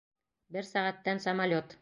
Бер сәғәттән самолет!